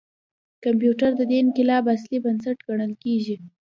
کمپیوټر د دې انقلاب اصلي بنسټ ګڼل کېږي.